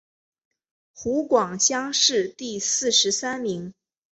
湖广乡试第四十三名。